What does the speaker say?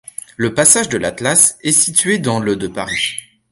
Le passage de l'Atlas est situé dans le de Paris.